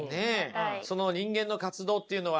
その「人間の活動」っていうのは？